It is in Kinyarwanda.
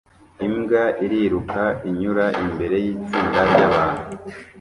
Imbwa iriruka inyura imbere yitsinda ryabantu